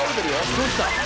どうした？